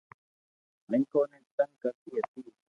مينکون ني تنگ ڪرتي ھتي